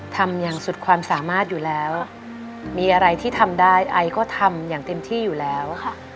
ทำอย่างสุดความสามารถอยู่แล้วมีอะไรที่ทำได้ไอก็ทำอย่างเต็มที่อยู่แล้วค่ะ